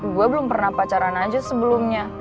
gue belum pernah pacaran aja sebelumnya